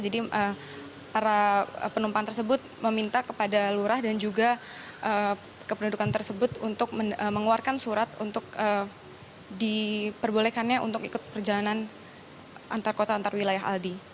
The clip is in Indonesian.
jadi para penumpang tersebut meminta kepada lurah dan juga kependudukan tersebut untuk mengeluarkan surat untuk diperbolehkannya untuk ikut perjalanan antar kota antar wilayah aldi